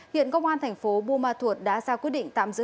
hiện công an thành phố buôn ma thuột đã ra quyết định tạm giữ